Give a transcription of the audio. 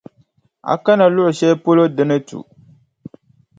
A kana luɣʼ shɛli polo di ni tu.